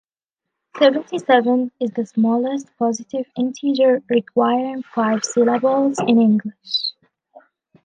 Seventy-seven is the smallest positive integer requiring five syllables in English.